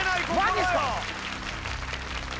マジですか？